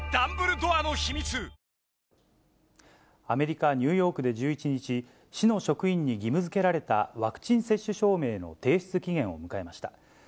アメリカ・ニューヨークで１１日、市の職員に義務づけられたワクチン接種証明の提出期限を迎えました。